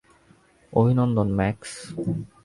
অভিনন্দন, ম্যাক্স।